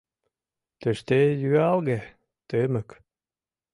Тыште юалге, тымык...